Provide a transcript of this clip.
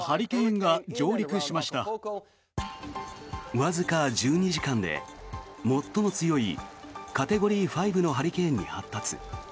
わずか１２時間で最も強いカテゴリー５のハリケーンに発達。